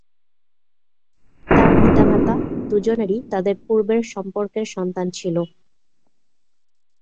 তার পিতামাতা দুজনেরই তাদের পূর্বের সম্পর্কের সন্তান ছিল।